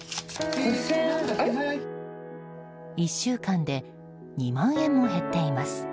１週間で２万円も減っています。